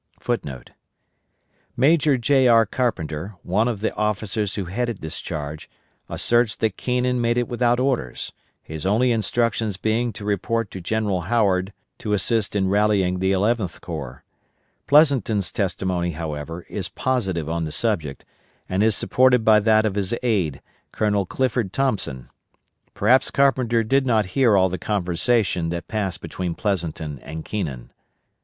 *[* Major J. R. Carpenter, one of the officers who headed this charge, asserts that Keenan made it without orders, his only instructions being to report to General Howard to assist in rallying the Eleventh Corps. Pleasonton's testimony, however, is positive on the subject, and is supported by that of his aide, Colonel Clifford Thompson. Perhaps Carpenter did not hear all the conversation that passed between Pleasonton and Keenan.